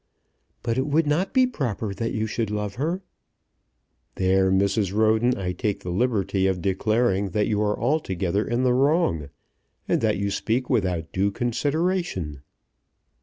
"But it would not be proper that you should love her." "There, Mrs. Roden, I take the liberty of declaring that you are altogether in the wrong, and that you speak without due consideration."